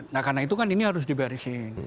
nah karena itu kan ini harus diberesin